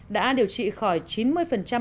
đã điều trị khỏi chín mươi bệnh nhân